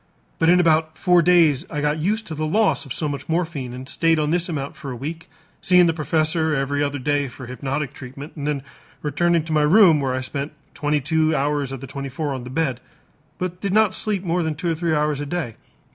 But in about four days I got used to the loss of so much morphine and stayed on this amount for a week, seeing the professor every other day for hypnotic treatment and then returning to my room where I spent twenty two hours of the twenty four on the bed, but did not sleep more than two or three hours a day.